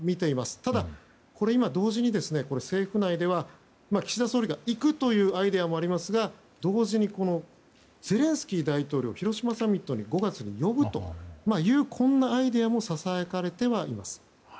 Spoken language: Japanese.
ただ、同時に政府内では岸田総理が行くというアイデアもありますが同時にゼレンスキー大統領を広島サミットに５月に呼ぶというアイデアもささやかれてはいます。